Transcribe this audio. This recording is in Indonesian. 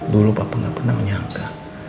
dulu papa gak pernah menyangka